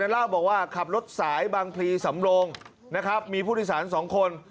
เล่าบอกว่าขับรถสายบางพลีสำโลงนะครับมีผู้โดยสาร๒คน